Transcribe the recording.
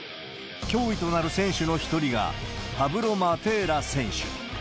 脅威となる選手の１人が、パブロ・マテーラ選手。